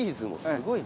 すごい。